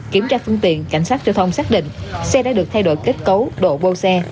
kiểm tra phương tiện cảnh sát giao thông xác định xe đã được thay đổi kết cấu độ bô xe